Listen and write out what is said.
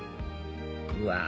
うわ